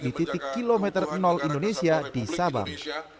di titik kilometer indonesia di sabang